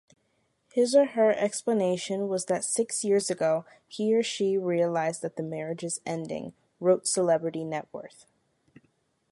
His/her explanation was that six years ago he/she realized that the marriage is ending, wrote CelebrityNetWorth.